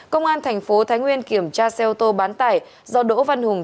công an tp thái nguyên kiểm tra xe ô tô bán tải do đỗ văn hùng